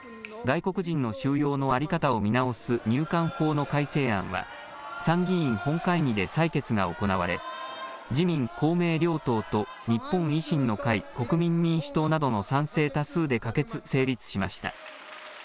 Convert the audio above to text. では、けさまでに入っているニュースをＡＩによる自動音声で外国人の収容の在り方を見直す入管法の改正案は、参議院本会議で採決が行われ、自民、公明両党と、日本維新の会、国民民主党などの賛成多数で可決・成立しました。